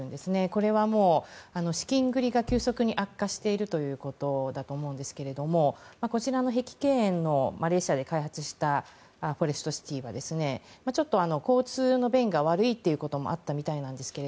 これは資金繰りが、急速に悪化しているということだと思うんですがこちらの碧桂園のマレーシアで開発したフォレストシティはちょっと交通の便が悪いということもあったみたいですが